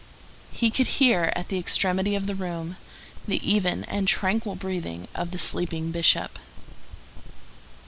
He could hear, at the extremity of the room, the even and tranquil breathing of the sleeping Bishop.